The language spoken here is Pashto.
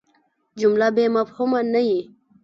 جمله بېمفهومه نه يي.